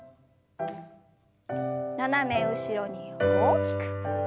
斜め後ろに大きく。